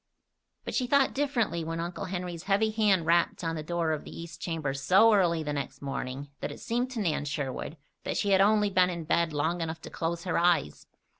But she thought differently when Uncle Henry's heavy hand rapped on the door of the east chamber so early the next morning that it seemed to Nan Sherwood that she had only been in bed long enough to close her eyes.